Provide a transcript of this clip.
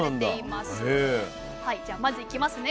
じゃあまずいきますね。